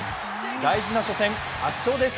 大事な初戦、圧勝です。